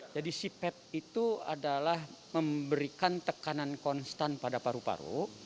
jadi cpap itu adalah memberikan tekanan konstan pada paru paru